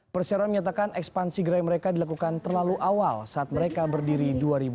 perseroa menyatakan ekspansi gerai mereka dilakukan terlalu awal saat mereka berdiri dua ribu sembilan